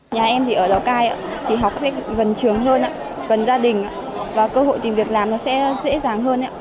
nhà em ở lào cai thì học gần trường hơn gần gia đình và cơ hội tìm việc làm sẽ dễ dàng hơn